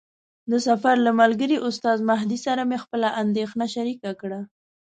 د سفر له ملګري استاد مهدي سره مې خپله اندېښنه شریکه کړه.